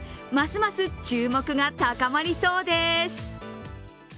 ますます注目が高まりそうです。